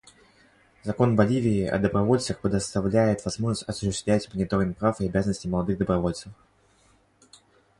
Закон Боливии о добровольцах предоставляет возможность осуществлять мониторинг прав и обязанностей молодых добровольцев.